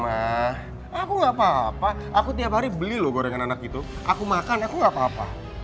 nah aku gak apa apa aku tiap hari beli loh gorengan anak gitu aku makan aku gak apa apa